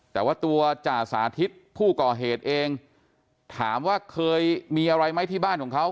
แต่ว่าตัวจ่าสาธิตผู้ก่อเหตุเองถามว่าเคยมีอะไรไหมที่บ้านของเขา